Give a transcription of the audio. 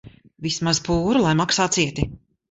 Vismaz pūru lai maksā cieti.